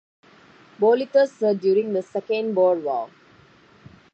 Bolitho served during the Second Boer War.